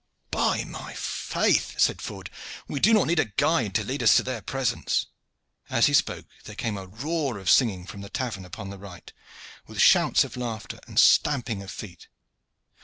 "By my faith!" said Ford, "we do not need a guide to lead us to their presence." As he spoke there came a roar of singing from the tavern upon the right, with shouts of laughter and stamping of feet.